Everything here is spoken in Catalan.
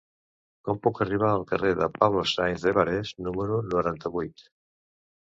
Com puc arribar al carrer de Pablo Sáenz de Barés número noranta-vuit?